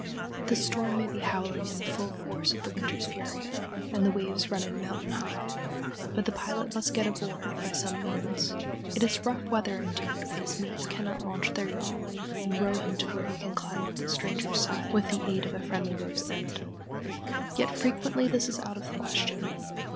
The storm may be howling in the full force of the winter's fury, and the waves running "mountain high," but the pilot must get aboard by some means. It is rough weather indeed when his mates cannot launch their yawl and row him to where he can climb up the stranger's side with the aid of a friendly rope's end. [Illustration: A PILOT BOARDING A STEAMER.] Yet frequently this is out of the question.